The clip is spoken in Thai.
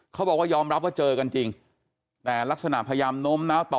เขาบอกว่ายอมรับว่าเจอกันจริงแต่ลักษณะพยายามโน้มน้าวต่อ